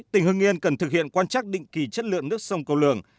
tỉnh hưng yên cần thực hiện quan trắc định kỳ chất lượng nước sông cầu lường